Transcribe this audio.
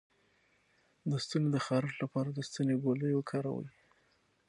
د ستوني د خارش لپاره د ستوني ګولۍ وکاروئ